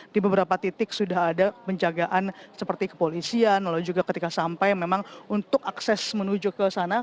di beberapa titik sudah ada penjagaan seperti kepolisian lalu juga ketika sampai memang untuk akses menuju ke sana